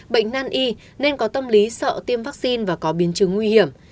bệnh nan y nên có tâm lý sợ tiêm vaccine và có biến chứng nguy hiểm